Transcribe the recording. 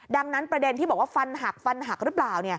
ดังนั้นประเด็นที่บอกว่าฟันหักฟันหักหรือเปล่า